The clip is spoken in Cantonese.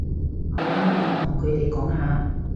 好啦，我同佢哋講吓